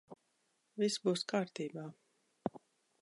Viss būs kārtībā.